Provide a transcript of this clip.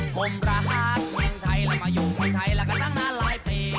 คมทหารเมืองไทยแล้วมาอยู่เมืองไทยแล้วก็ตั้งนานหลายปี